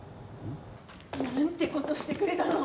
何てことしてくれたの！